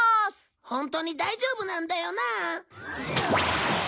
ホントに大丈夫なんだよなあ？